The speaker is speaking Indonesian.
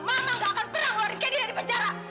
mama gak akan pernah keluarin candy dari penjara